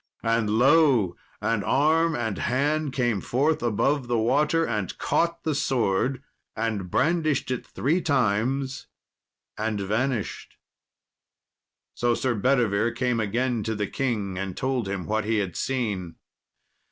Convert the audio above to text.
And lo! an arm and hand came forth above the water, and caught the sword, and brandished it three times, and vanished. So Sir Bedivere came again to the king and told him what he had seen.